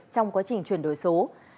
trong quá trình chuyển đổi số